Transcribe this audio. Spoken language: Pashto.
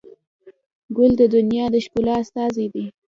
ګل د دنیا د ښکلا استازی دی.